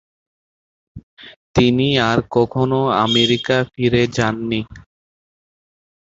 তিনি আর কখনো আমেরিকা ফিরে যান নি।